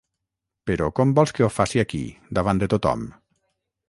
Però com vols que ho faci aquí, davant de tothom?